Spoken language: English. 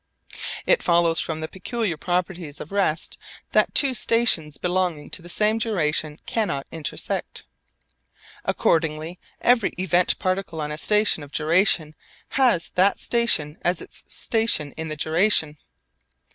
It follows from the peculiar properties of rest that two stations belonging to the same duration cannot intersect. Accordingly every event particle on a station of a duration has that station as its station in the duration.